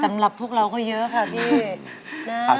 สำหรับพวกเราก็เยอะค่ะพี่นะ